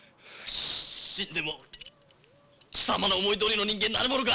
死んでも貴様の思いどおりの人間になるものか！